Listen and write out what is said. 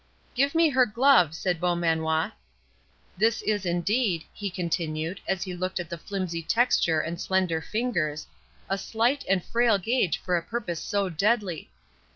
"Give me her glove," said Beaumanoir. "This is indeed," he continued, as he looked at the flimsy texture and slender fingers, "a slight and frail gage for a purpose so deadly!